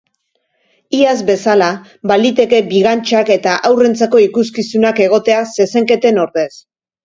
Iaz bezala, baliteke bigantxak eta haurrentzako ikuskizunak egotea zezenketen ordez.